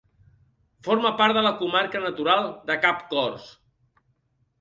Forma part de la comarca natural de Cap Cors.